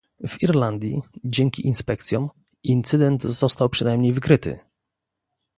W Irlandii, dzięki inspekcjom, incydent został przynajmniej wykryty